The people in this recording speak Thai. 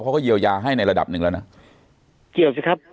เขาก็เยียวยาให้ในระดับหนึ่งแล้วนะเกี่ยวสิครับ